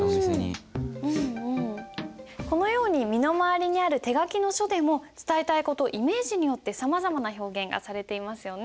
このように身の回りにある手書きの書でも伝えたい事イメージによってさまざまな表現がされていますよね。